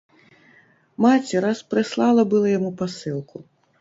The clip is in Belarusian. Маці раз прыслала была яму пасылку.